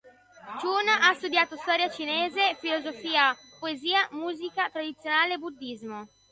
Chun ha studiato storia cinese, filosofia, poesia, musica tradizionale, e Buddismo.